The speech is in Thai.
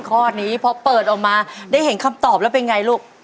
ข้อนี้พอเปิดออกมาได้เห็นคำตอบแล้วเป็นไงลูก